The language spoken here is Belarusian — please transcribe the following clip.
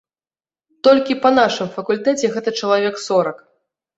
Толькі па нашым факультэце гэта чалавек сорак.